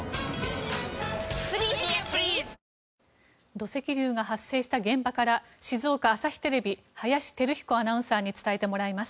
土石流が発生した現場から静岡朝日テレビ林輝彦アナウンサーに伝えてもらいます。